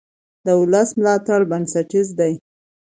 د ولس ملاتړ بنسټیز دی